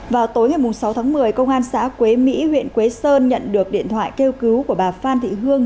vào tối ngày sáu tháng một mươi công an xã quế mỹ huyện quế sơn nhận được điện thoại kêu cứu của bà phan thị hương